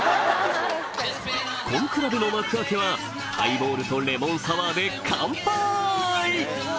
根比べの幕開けはハイボールとレモンサワーでカンパイ！